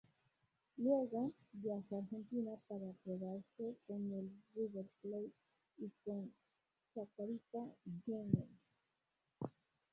Luego, viajó a Argentina para probarse con el River Plate y con Chacarita Juniors.